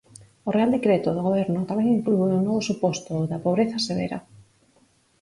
O Real Decreto do Goberno tamén inclúe un novo suposto, o da pobreza severa.